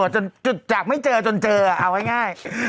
จุดจังจากไม่เจอจนเจอเอาง่าย๑๐